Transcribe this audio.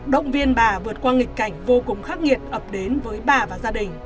động viên bà vượt qua nghịch cảnh vô cùng khắc nghiệt ập nguồn